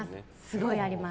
すごいあります。